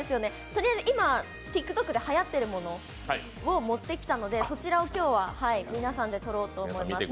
とりあえず今、ＴｉｋＴｏｋではやっているものを持ってきたのでそちらを今日は皆さんで撮ろうと思います。